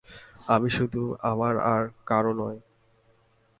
আমি শুধু আমার আর কারো নই।